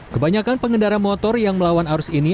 kebanyakan pengendara motor yang melawan arus ini